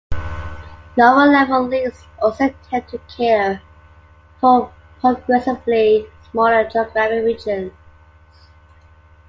Lower-level leagues also tend to cater for progressively smaller geographic regions.